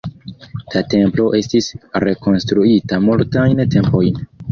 La templo estis rekonstruita multajn tempojn.